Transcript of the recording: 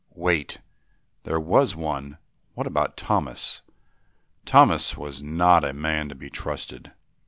Wait! There was one. What about Thomas? Thomas was not a man to be trusted.